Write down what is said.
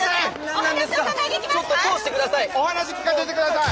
お話し聞かせてください！